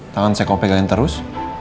tangan saya kok pegangin terus